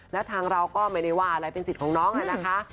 แล้วทางเราก็ไม่ได้ว่าอะไรเป็นสิทธิ์ของน้องอะนะคะ